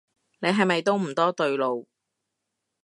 你係咪都唔多對路